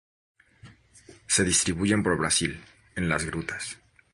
Se distribuyen por Brasil, en las grutas.